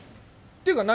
ていうか何？